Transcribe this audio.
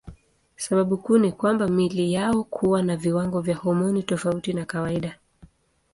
Sababu kuu ni kwamba miili yao huwa na viwango vya homoni tofauti na kawaida.